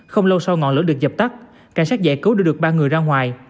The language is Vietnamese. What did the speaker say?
không lâu sau ngọn lửa được dập tắt cảnh sát giải cứu đưa được ba người ra ngoài